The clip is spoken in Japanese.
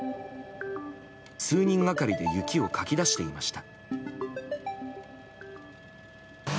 数人がかりで雪をかき出していました。